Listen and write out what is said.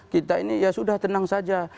kita ini ya sudah tenang saja